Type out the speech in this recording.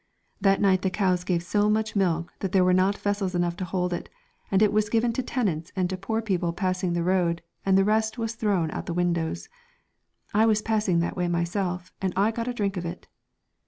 That night the cows gave so much milk that there were not vessels enough to hold it, and it was given to tenants and to poor people passing the road, and the rest was thrown out at the windows. I was passing that way myself, and I got a drink of it.